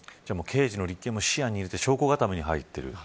刑事の立件も視野に入れて証拠固めに入っている。